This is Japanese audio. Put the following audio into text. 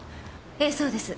ええそうです。